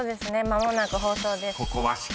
間もなく放送です。